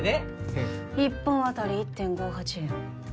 うん一本あたり１．５８円